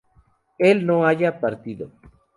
él no haya partido